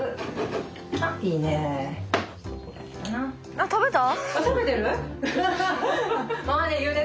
あっ食べた！？